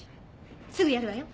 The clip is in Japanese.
すぐやるわよ。